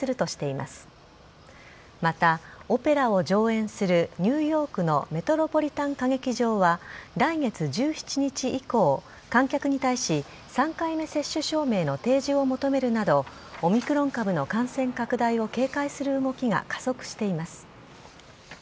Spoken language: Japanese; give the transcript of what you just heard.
また、オペラを上演するニューヨークのメトロポリタン歌劇場は来月１７日以降観客に対し３回目接種証明の提示を求めるなどオミクロン株の感染拡大を警戒する動きが加速しています。